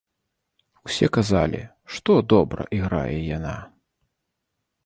Усе казалі, што добра іграе яна.